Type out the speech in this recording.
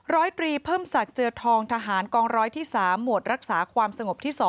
ร้อยตรีเพิ่มศักดิ์เจือทองทหารกองร้อยที่๓หมวดรักษาความสงบที่๒